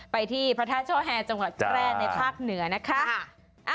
ไปที่พระท่าช่อแหญ่จังหวัดแกร้งในภาคเหนือนะคะ